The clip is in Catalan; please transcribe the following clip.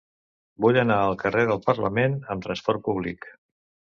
Vull anar al carrer del Parlament amb trasport públic.